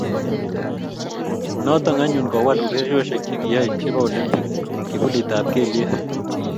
Noto anyun Kowal ureriosiek chekiyae chebo olimpik kipulitab kelyek